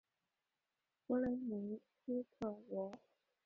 弗雷梅斯特罗。